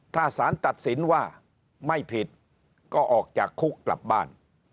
ถ้าสารตัดสินว่าไม่ผิดก็ออกจากคุกกลับบ้าน